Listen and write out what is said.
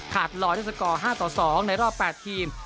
ขาดรอยด้วยสกอร์๕๒ในรอบ๘ทีม